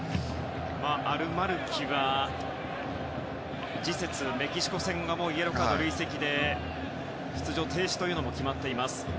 アルマルキは次節、メキシコ戦がもうイエローカードの累積で出場停止が決まっています。